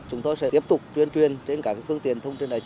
chúng tôi sẽ tiếp tục chuyên truyền trên cả phương tiện